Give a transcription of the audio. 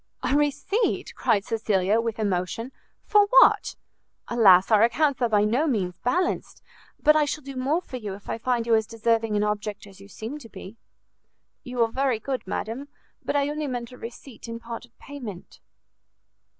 "A receipt?" cried Cecilia, with emotion, "for what? Alas, our accounts are by no means balanced! but I shall do more for you if I find you as deserving an object as you seem to be." "You are very good, madam; but I only meant a receipt in part of payment."